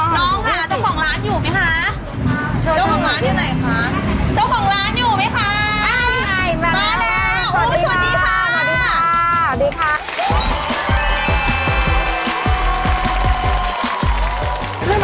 น้องค่ะเจ้าของร้านอยู่ไหมคะเจ้าของร้านอยู่ไหนคะเจ้าของร้านอยู่ไหมคะมาแล้วสวัสดีค่ะสวัสดีค่ะ